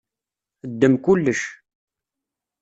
Ddem kullec.